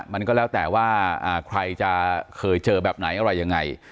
มันก็แล้วแต่ว่าใครจะเคยเจอแบบไหนอะไรยังไง